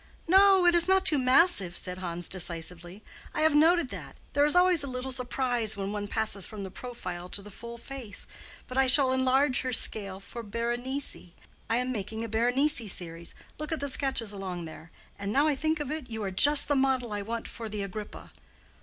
"No, it is not too massive," said Hans, decisively. "I have noted that. There is always a little surprise when one passes from the profile to the full face. But I shall enlarge her scale for Berenice. I am making a Berenice series—look at the sketches along there—and now I think of it, you are just the model I want for the Agrippa."